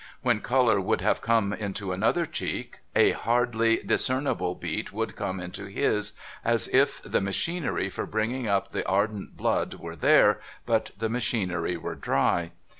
When colour would have come into another cheek, a hardly discernible beat would come into his, as if the machinery for bringing up the ardent blood were there, but the machinery were dry.